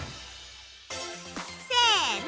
せの。